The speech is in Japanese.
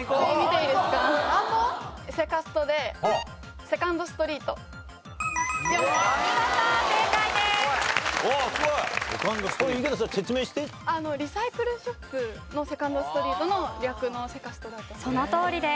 リサイクルショップのセカンドストリートの略のセカストだと思います。